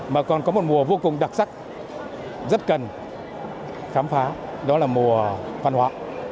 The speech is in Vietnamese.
mà còn có một mùa vô cùng đặc sắc rất cần khám phá đó là mùa văn hóa